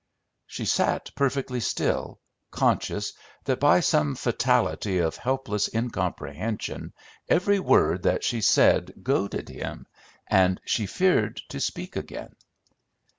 She sat perfectly still, conscious that by some fatality of helpless incomprehension every word that she said goaded him, and she feared to speak again.